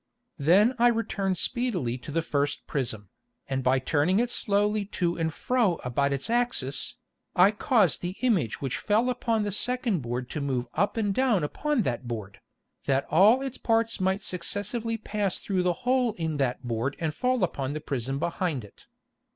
Then I returned speedily to the first Prism, and by turning it slowly to and fro about its Axis, I caused the Image which fell upon the second Board to move up and down upon that Board, that all its parts might successively pass through the hole in that Board and fall upon the Prism behind it.